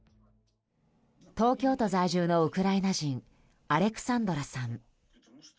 東京都在住のウクライナ人アレクサンドラさん。